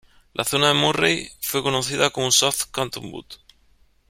La zona de Murray fue conocida como South Cottonwood.